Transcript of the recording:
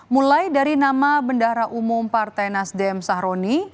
mulai dari nama bendahara umum partai nasdem sahroni